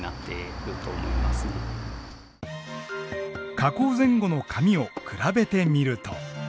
加工前後の紙を比べてみると。